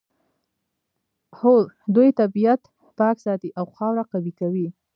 هو دوی طبیعت پاک ساتي او خاوره قوي کوي